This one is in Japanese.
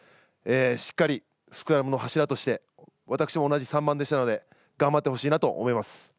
しっかりスクラムの柱として私も同じ３番でしたので頑張ってほしいと思います。